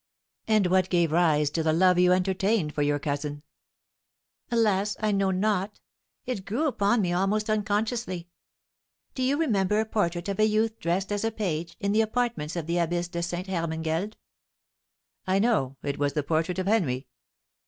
"And what gave rise to the love you entertained for your cousin?" "Alas, I know not! It grew upon me almost unconsciously. Do you remember a portrait of a youth dressed as a page, in the apartments of the Abbess de Ste. Hermangeld?" "I know; it was the portrait of Henry."